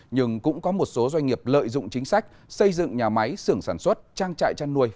nhưng cũng có một số doanh nghiệp lợi dụng chính sách xây dựng nhà máy sưởng sản xuất trang trại chăn nuôi